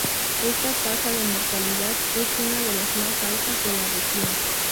Esta tasa de mortalidad es una de las más altas de la región.